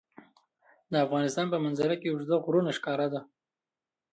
د افغانستان په منظره کې اوږده غرونه ښکاره ده.